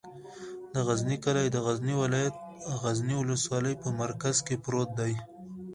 د غزنی کلی د غزنی ولایت، غزنی ولسوالي په مرکز کې پروت دی.